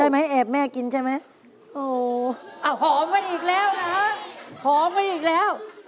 พอมกันอีกแล้ว